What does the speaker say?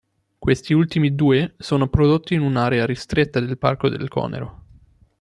Questi ultimi due sono prodotti in un'area ristretta del parco del Conero.